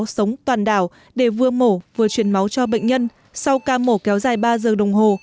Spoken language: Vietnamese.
sống toàn đảo để vừa mổ vừa chuyển máu cho bệnh nhân sau ca mổ kéo dài ba giờ đồng hồ